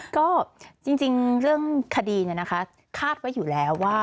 ก็จริงเรื่องคดีเนี่ยนะคะคาดไว้อยู่แล้วว่า